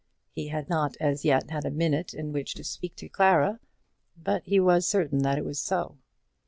He had not as yet had a minute in which to speak to Clara, but he was certain that it was so.